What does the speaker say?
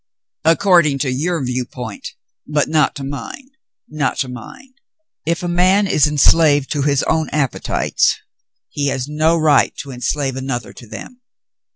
"According to your viewpoint, but not to mine — not to mine. If a man is enslaved to his own appetites, he has no right to enslave another to them."